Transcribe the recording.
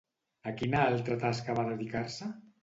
A quina altra tasca va dedicar-se?